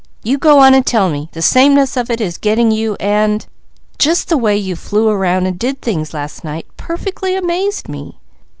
"You go on and tell me! The sameness of it is getting you and " "Just the way you flew around and did things last night perfectly amazed me.